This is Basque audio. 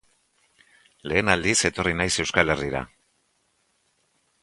Lehen aldiz etorri naiz Euskal Herrira.